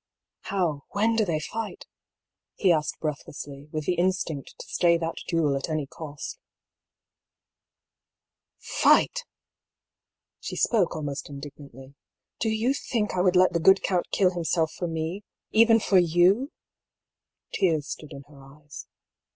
" How, when do they fight?" he asked breathlessly, with the instinct to stay that duel at any cost. " Fight !" she spoke almost indignantly. " Do you think I would let the good count kill himself for me — even for you f Tears stood in her eyes.